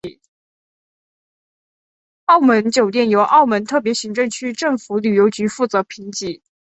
澳门酒店由澳门特别行政区政府旅游局负责评级。